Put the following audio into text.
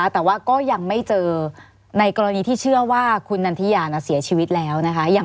แต่ว่าก็ยังไม่เจอในกรณีที่เชื่อว่าคุณนันทิยาเสียชีวิตแล้วนะคะ